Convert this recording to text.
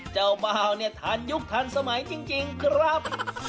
เจ้าเป้าทานยุคทันสมัยจริงครับ